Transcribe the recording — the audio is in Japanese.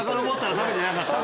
食べてなかった？